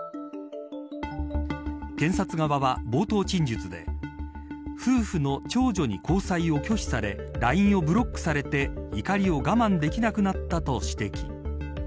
検察側は冒頭陳述で夫婦の長女に交際を拒否されＬＩＮＥをブロックされて怒りを我慢できなくなったと指摘。